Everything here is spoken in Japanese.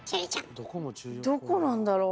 どこなんだろう。